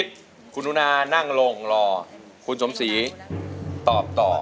สิทธิ์คุณนูนานั่งร่งรอคุณสมศรีตอบต่อ